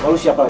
kamu siapa lagi